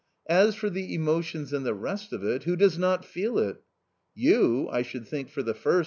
" As for the emotions and the rest of it — who does not feel it?" " You, I should think for the first